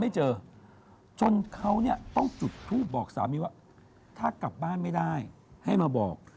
จนเขาต้องจุดทูบบอกสามีเขากลับบ้านไม่ได้ให้มาบอก